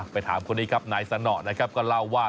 ไปถามคนอี้ครับไหนสหนะก็เล่าว่า